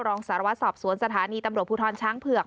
รองสารวัตรสอบสวนสถานีตำรวจภูทรช้างเผือก